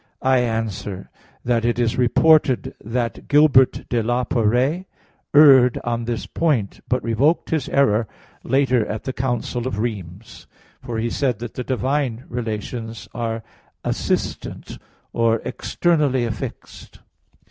I answer that, It is reported that Gilbert de la Porree erred on this point, but revoked his error later at the council of Rheims. For he said that the divine relations are assistant, or externally affixed.